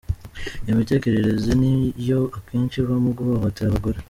Iyo mitekerereze ni yo akenshi ivamo guhohotera abagore.